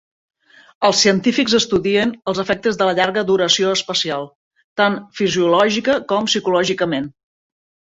Els científics estudien els efectes de la llarga duració espacial, tan fisiològica com psicològicament.